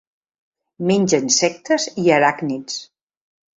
Menja insectes i aràcnids.